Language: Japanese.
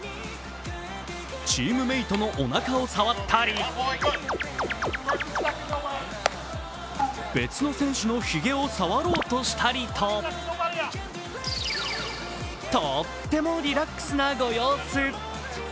チームメートのおなかを触ったり別の選手のひげを触ろうとしたりととってもリラックスなご様子。